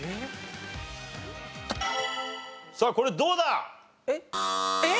さあこれどうだ？えっ！？